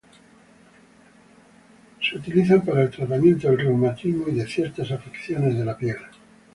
Se utilizan para el tratamiento del reumatismo y de ciertas afecciones de la piel.